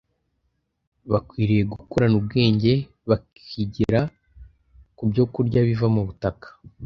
bakwiriye gukorana ubwenge bakigira ku byokurya biva mu butaka